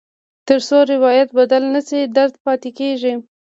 تر څو روایت بدل نه شي، درد پاتې کېږي.